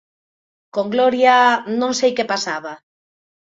Con Gloria... non sei que pasaba.